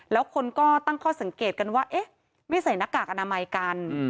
แล้วคนก็ตั้งข้อสังเกตกันว่าเอ๊ะไม่ใส่หน้ากากอนามัยกัน